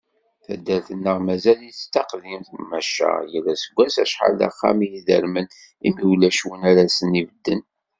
Taddart-nneɣ mazal-itt d taqdimt, maca yal aseggas acḥal d axxam i idermen, imi ulac win ara asen-ibedden.